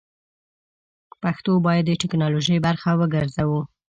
پښتو بايد د ټيکنالوژۍ برخه وګرځوو!